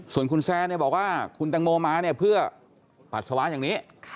ส่วนคุณแซนบอกว่าคุณตังโมมาเนี่ยเพื่อปัสสาวะอย่างนี้